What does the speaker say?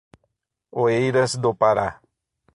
Oeiras do Pará